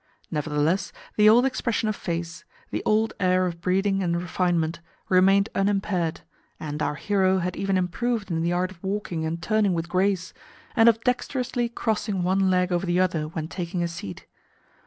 Nevertheless, the old expression of face, the old air of breeding and refinement, remained unimpaired, and our hero had even improved in the art of walking and turning with grace, and of dexterously crossing one leg over the other when taking a seat.